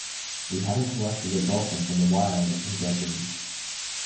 We haven't collected a dolphin from the wild in decades.